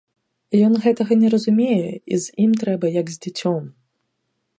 Ён гэтага не разумее і з ім трэба як з дзіцём.